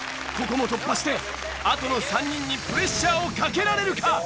ここも突破してあとの３人にプレッシャーをかけられるか？